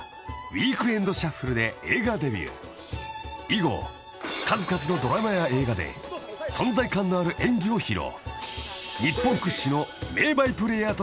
［以後数々のドラマや映画で存在感のある演技を披露］